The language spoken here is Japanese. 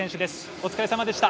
お疲れさまでした。